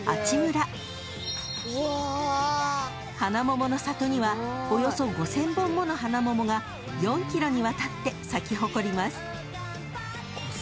［花桃の里にはおよそ５，０００本もの花桃が４ｋｍにわたって咲き誇ります］